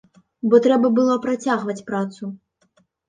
Бо трэба было працягваць працу.